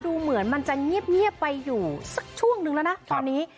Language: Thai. ดูเหมือนมันจะเงียบไปอยู่สักช่วงนึงแล้วนะตอนนี้